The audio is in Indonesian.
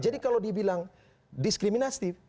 jadi kalau dibilang diskriminatif